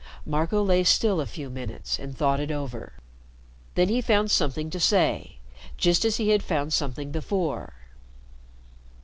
Marco lay still a few minutes and thought it over. Then he found something to say, just as he had found something before.